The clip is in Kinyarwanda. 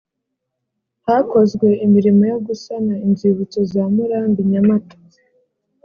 hakozwe imirimo yo gusana inzibutso za murambi nyamata